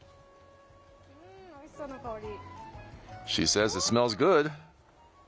うーん、おいしそうな香り。